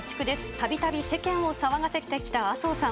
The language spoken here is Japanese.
たびたび世間を騒がせてきた麻生さん。